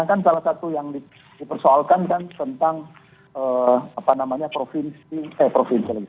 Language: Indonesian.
kan salah satu yang dipersoalkan kan tentang apa namanya provinsi eh provinsi lagi